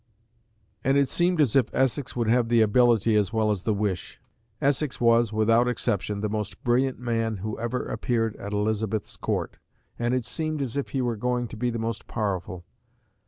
And it seemed as if Essex would have the ability as well as the wish. Essex was, without exception, the most brilliant man who ever appeared at Elizabeth's Court, and it seemed as if he were going to be the most powerful.